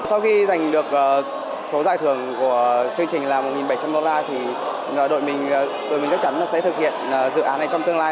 sau khi giành được số giải thưởng của chương trình là một bảy trăm linh đô la thì đội mình đội mình chắc chắn là sẽ thực hiện dự án này trong tương lai